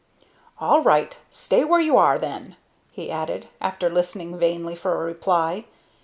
"All right; stay where you are then!" he added, after listening vainly for a reply.